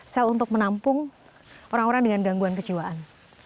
sel untuk menampung orang orang dengan gangguan kejiwaan